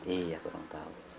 iya kurang tahu